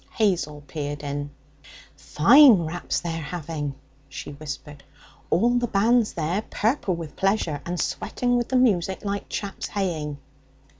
Hazel peered in. 'Fine raps they're having!' she whispered. 'All the band's there, purple with pleasure, and sweating with the music like chaps haying.'